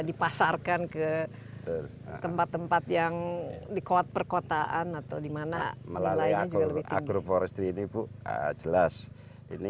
dipasarkan ke tempat tempat yang dikuat perkotaan atau dimana melalui agroforestry ini bu bisa dipasarkan ke tempat tempat yang dikuat perkotaan atau dimana nilainya juga lebih tinggi